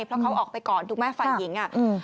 เพราะเขาออกไปก่อนถูกไหมฝ่ายหญิง